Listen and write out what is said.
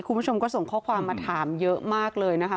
คุณผู้ชมก็ส่งข้อความมาถามเยอะมากเลยนะคะ